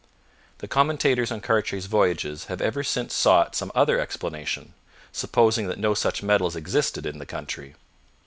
The commentators on Cartier's voyages have ever since sought some other explanation, supposing that no such metals existed in the country.